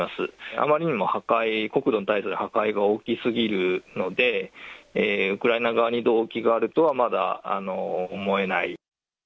あまりにも破壊、国土に対する破壊が大きすぎるので、ウクライナ側に動機があるとはまだ思えない。